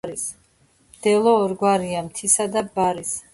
მდელო ორგვარია: მთისა და ბარის.